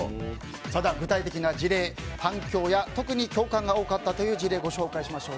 具体的な事例反響や特に共感が多かった事例をご紹介しましょう。